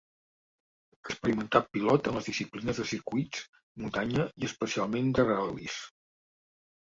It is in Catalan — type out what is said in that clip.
Experimentat pilot en les disciplines de circuits, muntanya i especialment de ral·lis.